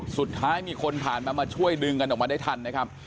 สุดท้ายมีคนผ่านมามาช่วยดึงกันออกมาได้ทันนะครับ